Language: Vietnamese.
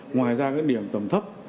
ngoài ra các điểm tầm thấp